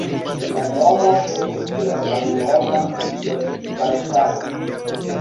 La nomo venis de la samnoma loĝkvartalo.